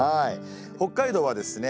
北海道はですね